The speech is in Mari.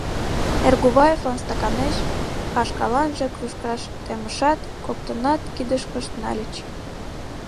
Эргуваевлан стаканеш, а шкаланже кружкаш темышат, коктынат кидышкышт нальыч.